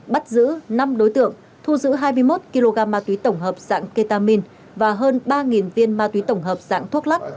bắt giữ năm đối tượng thu giữ hai mươi một kg ma túy tổng hợp dạng ketamin và hơn ba viên ma túy tổng hợp dạng thuốc lắc